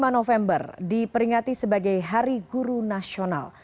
dua puluh lima november diperingati sebagai hari guru nasional